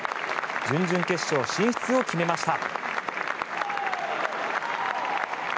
準々決勝進出を決めました。